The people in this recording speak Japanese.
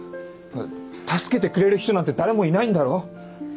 助けてくれる人なんて誰もいないんだろ？